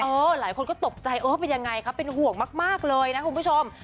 หลายคนก็ตกใจเออเป็นยังไงคะเป็นห่วงมากเลยนะคุณผู้ชม